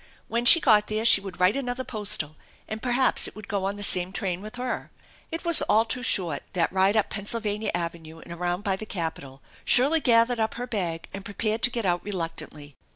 When she got there she would write another postal and perhaps it would go on the same train with her. It was all too short, that ride up Pennsylvania Avenue and around by the Capitol. Shirley gathered up ^er bag and prepared to get out reluctantly.